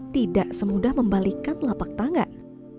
tidak semudah membalikan lapak tangan